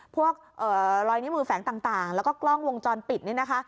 พวกรอยนิ้วมือแฝงต่างแล้วก็กล้องวงจรปิดนี่นะคะ